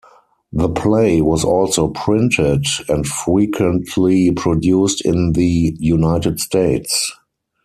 The play was also printed and frequently produced in the United States.